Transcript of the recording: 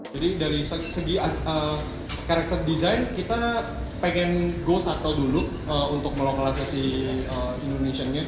jadi dari segi karakter desain kita pengen go subtle dulu untuk melokalisasi indonesian nya